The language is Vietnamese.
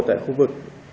tại khu vực